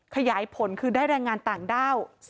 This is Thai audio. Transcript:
ขยายผลคือได้แรงงานต่างด้าว